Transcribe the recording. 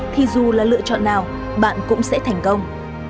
thì dù là lựa chọn nào bạn cũng sẽ thành công